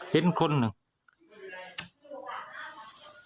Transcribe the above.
เห็นคนหนึ่ง